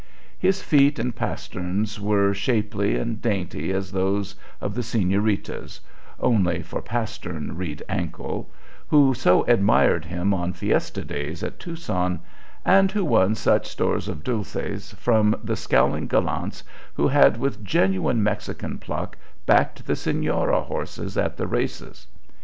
His feet and pasterns were shapely and dainty as those of the señoritas (only for pastern read ankle) who so admired him on festa days at Tucson, and who won such stores of dulces from the scowling gallants who had with genuine Mexican pluck backed the Sonora horses at the races.